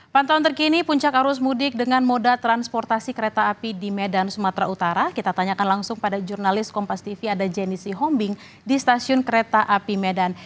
pada saat ini puncak arus mudik akan berlangsung dari medan ke stasiun kereta api medan